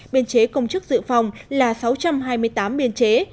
biên chế công chức dự phòng là sáu trăm hai mươi tám biên chế